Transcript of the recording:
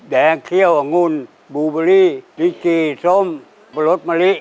แดงเคี้ยวอังุณบูเบอร์รี่ลิกกีส้มลดมะลิ